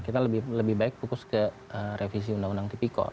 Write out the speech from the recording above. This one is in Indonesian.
kita lebih baik fokus ke revisi undang undang tipikor